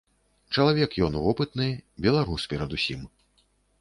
Чалавек ён вопытны, беларус перадусім.